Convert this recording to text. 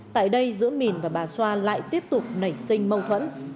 tại đây giữa mình và bà xoa lại tiếp tục nảy sinh mâu thuẫn